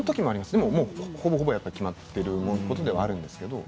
でも、ほぼほぼ決まっていることではあるんですけれども。